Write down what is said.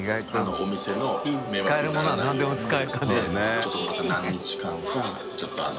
ちょっと何日間かちょっとあの。